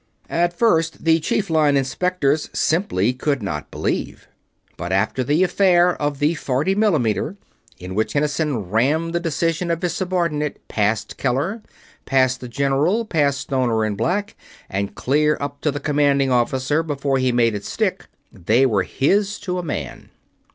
At first the Chief Line Inspectors simply could not believe; but after the affair of the forty millimeter, in which Kinnison rammed the decision of his subordinate past Keller, past the General, past Stoner and Black, and clear up to the Commanding Officer before he made it stick, they were his to a man.